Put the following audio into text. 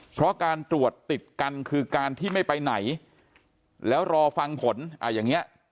เพราะการตรวจติดกันคือการที่ไม่ไปไหนแล้วรอฟังผลอย่างนี้